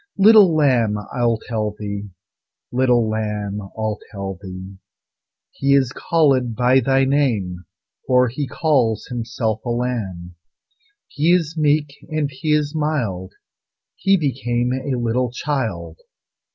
Little lamb, I'll tell thee; Little lamb, I'll tell thee: He is callèd by thy name, For He calls Himself a Lamb. He is meek, and He is mild, He became a little child.